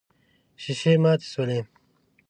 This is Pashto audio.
ښيښې ماتې شولې.